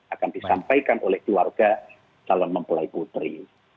akan disampaikan oleh keluarga calon mempelai putri